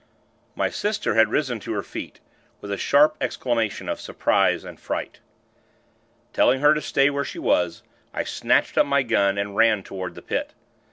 My sister had risen to her feet, with a sharp exclamation of surprise and fright. Telling her to stay where she was, I snatched up my gun, and ran toward the Pit.